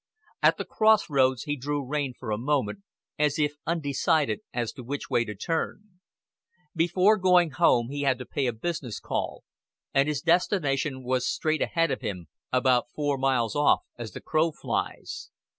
At the Cross Roads he drew rein for a moment, as if undecided as to which way to turn. Before going home he had to pay a business call, and his destination was straight ahead of him, about four miles off as the crow flies.